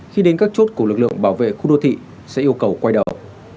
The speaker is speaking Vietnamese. khi đến các chốt của lực lượng bảo vệ khu đô thị sẽ yêu cầu quay đầu